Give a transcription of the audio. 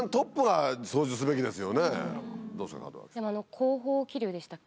後方気流でしたっけ？